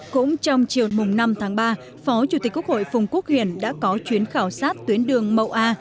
cũng trong chiều năm tháng ba phó chủ tịch quốc hội phùng quốc hiển đã có chuyến khảo sát tuyến đường mậu a